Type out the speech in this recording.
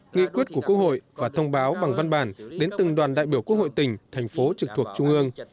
nghị quyết của quốc hội và thông báo bằng văn bản đến từng đoàn đại biểu quốc hội tỉnh thành phố trực thuộc trung ương